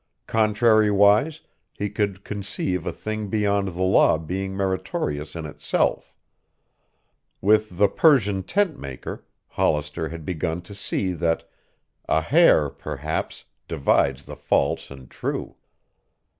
Contrariwise, he could conceive a thing beyond the law being meritorious in itself. With the Persian tent maker, Hollister had begun to see that "A hair, perhaps, divides the false and true."